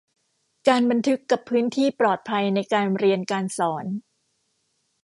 การบันทึกกับพื้นที่ปลอดภัยในการเรียนการสอน